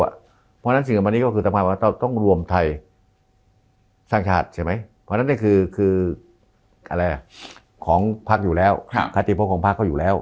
เพราะฉะนั้นสิ่งที่สุดมานี้ก็คือสำหรับว่าต้องรวมไทยสร้างชาติเพราะฉะนั้นนี่คือของภาคอยู่แล้วคติภพของภาคก็อยู่แล้ว